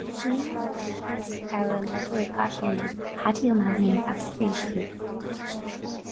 Is mian liom mo bhuíochas a ghabháil le bhur gCathaoirleach, Paddy O'Mahony, as scríobh chugam